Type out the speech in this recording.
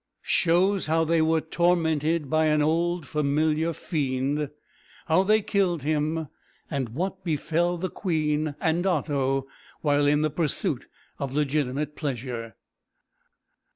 SHOWS HOW THEY WERE TORMENTED BY AN OLD FAMILIAR FIEND; HOW THEY KILLED HIM, AND WHAT BEFELL THE QUEEN AND OTTO WHILE IN THE PURSUIT OF LEGITIMATE PLEASURE.